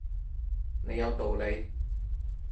你有道理